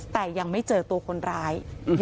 แต่ยังไม่เจอตัวคนร้าย